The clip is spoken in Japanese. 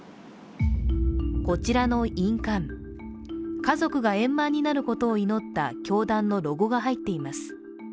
こちらの印鑑、家族が円満になることを祈った教団のロゴが入っています。